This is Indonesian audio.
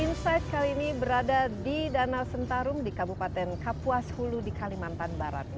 insight kali ini berada di danau sentarum di kabupaten kapuas hulu di kalimantan barat